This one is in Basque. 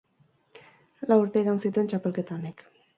Lau urte iraun zituen txapelketa honek.